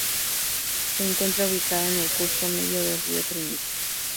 Se encuentra ubicada en el curso medio del río Trinity.